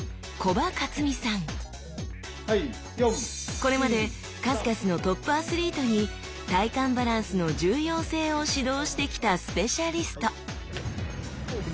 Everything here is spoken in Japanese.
これまで数々のトップアスリートに体幹バランスの重要性を指導してきたスペシャリスト！